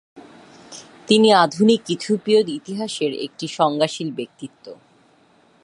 তিনি আধুনিক ইথিওপীয় ইতিহাসের একটি সংজ্ঞাশীল ব্যক্তিত্ব।